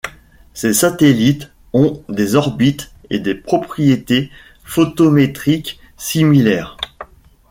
Ces satellites ont des orbites et propriétés photométriques similaires.